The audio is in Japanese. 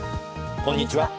こんにちは。